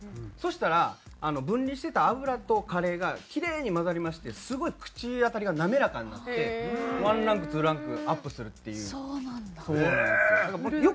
そしたら分離してた油とカレーがきれいに混ざりましてすごい口当たりがなめらかになってワンランクツーランクアップするっていう。